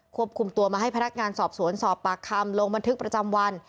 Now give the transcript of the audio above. ควบคุมตัวมาให้พนักงานสอบสวนสอบปากคำลงบันทึกประจำวัน